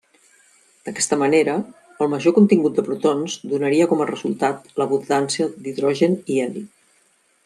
D'aquesta manera, el major contingut de protons donaria com a resultat l'abundància d'hidrogen i heli.